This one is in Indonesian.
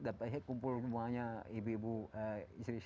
dapat saya kumpul semuanya ibu ibu istri saya ikut